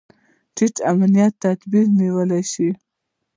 ټینګ امنیتي تدابیر نیول شوي.